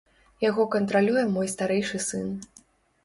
Яго кантралюе мой старэйшы сын.